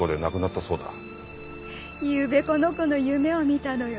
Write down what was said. ゆうべこの子の夢を見たのよ。